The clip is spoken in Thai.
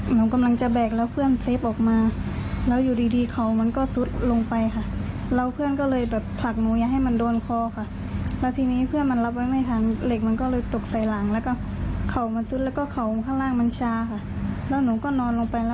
หลังข้างล่างก็สั่นไปเลยมันเริ่มมันเริ่มดีขึ้นเลยเพราะว่าสู้อะ